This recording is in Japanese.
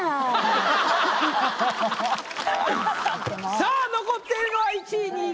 さぁ残っているのは１位２位５位。